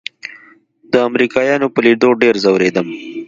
د امريکايانو په ليدو ډېر ځورېدم.